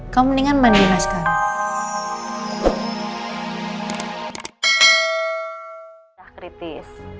kamu mendingan bandingkan sekarang